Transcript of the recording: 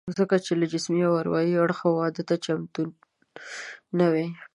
ځکه چې له جسمي او اروايي اړخه واده ته چمتو نه وي